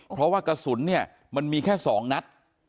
เพราะว่ากระสุนเนี่ยมันมีแค่๒นัด